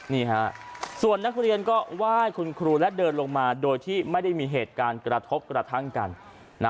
นี่ฮะส่วนนักเรียนก็ไหว้คุณครูและเดินลงมาโดยที่ไม่ได้มีเหตุการณ์กระทบกระทั่งกัน